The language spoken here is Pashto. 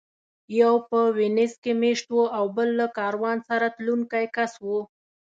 یو په وینز کې مېشت و او بل له کاروان سره تلونکی کس و